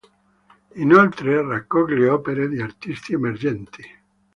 Inoltre raccoglie opere di artisti emergenti.